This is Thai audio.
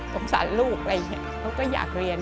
สงสารลูกอะไรอย่างนี้เขาก็อยากเรียน